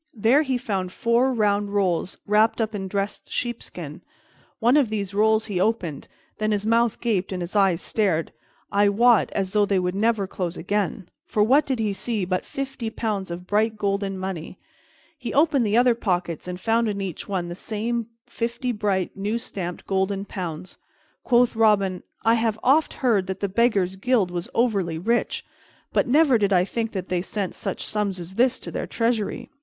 There he found four round rolls wrapped up in dressed sheepskin; one of these rolls he opened; then his mouth gaped and his eyes stared, I wot, as though they would never close again, for what did he see but fifty pounds of bright golden money? He opened the other pockets and found in each one the same, fifty bright new stamped golden pounds. Quoth Robin, "I have oft heard that the Beggars' Guild was over rich, but never did I think that they sent such sums as this to their treasury.